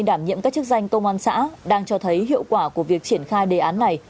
đảm nhiệm các chức danh công an xã đang cho thấy hiệu quả của việc triển khai đề án này